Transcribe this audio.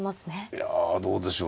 いやどうでしょう。